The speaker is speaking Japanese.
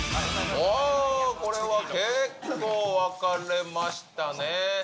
これは結構、分かれましたね。